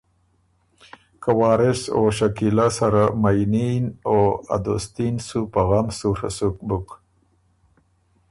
که وارث او شکیلۀ سره مئني یِن ا دوستي ن سُو په غم سُوڒه سُک بُک